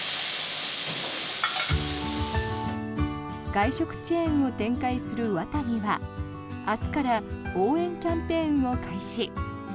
外食チェーンを展開するワタミは明日から応援キャンペーンを開始。